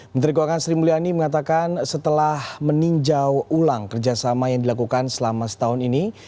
menteri keuangan sri mulyani mengatakan setelah meninjau ulang kerjasama yang dilakukan selama setahun ini